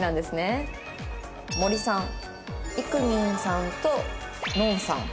森さん「いくみんさんとのんさん」。